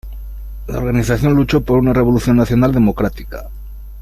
La organización luchó por una "revolución nacional democrática".